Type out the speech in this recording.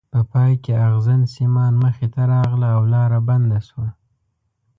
په پای کې ازغن سیمان مخې ته راغله او لاره بنده شوه.